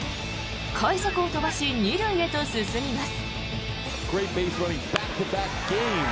快足を飛ばし２塁へと進みます。